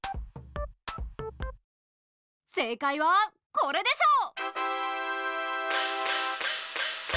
正解はこれでしょう。